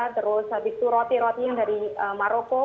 terus roti roti yang dari maroko